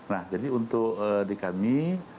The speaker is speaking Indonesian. nah jadi untuk di kami